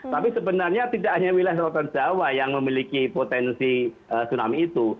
tapi sebenarnya tidak hanya wilayah selatan jawa yang memiliki potensi tsunami itu